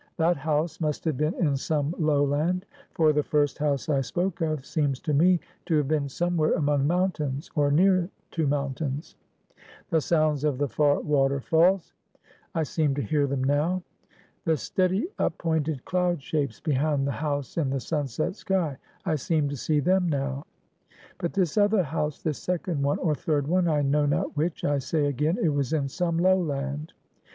That house must have been in some lowland; for the first house I spoke of seems to me to have been somewhere among mountains, or near to mountains; the sounds of the far waterfalls, I seem to hear them now; the steady up pointed cloud shapes behind the house in the sunset sky I seem to see them now. But this other house, this second one, or third one, I know not which, I say again it was in some lowland.